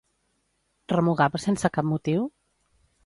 Remugava sense cap motiu?